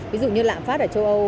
ví dụ như lãng phát ở châu âu